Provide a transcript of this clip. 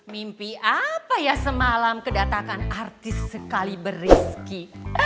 mimpi apa ya semalam kedatangan artis sekali beriski